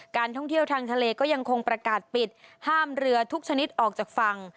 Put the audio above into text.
ท่องเที่ยวทางทะเลก็ยังคงประกาศปิดห้ามเรือทุกชนิดออกจากฝั่ง